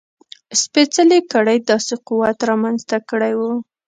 سپېڅلې کړۍ داسې قوت رامنځته کړی و.